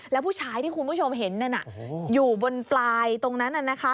แล้วผู้ชายที่คุณผู้ชมเห็นนั่นอยู่บนปลายตรงนั้น